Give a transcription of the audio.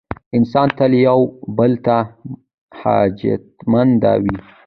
انسانان تل یو بل ته حاجتمنده وي.